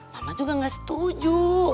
mama juga gak setuju